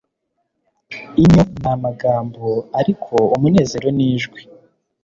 inyo ni amagambo ariko umunezero nijwi